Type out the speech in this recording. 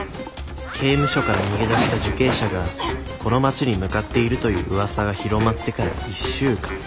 刑務所から逃げ出した受刑者がこの町に向かっているという噂が広まってから１週間。